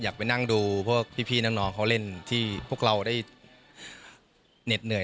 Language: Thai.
ไปนั่งดูพวกพี่น้องเขาเล่นที่พวกเราได้เหน็ดเหนื่อย